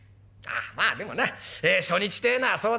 あまあでもな初日てえのはそうだ。